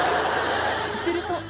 すると。